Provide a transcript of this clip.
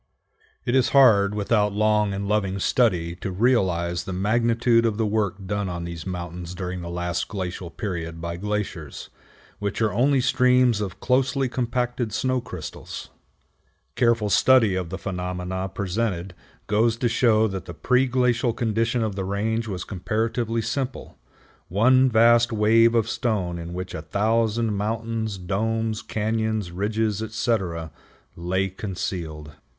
It is hard without long and loving study to realize the magnitude of the work done on these mountains during the last glacial period by glaciers, which are only streams of closely compacted snow crystals. Careful study of the phenomena presented goes to show that the pre glacial condition of the range was comparatively simple: one vast wave of stone in which a thousand mountains, domes, cañons, ridges, etc., lay concealed.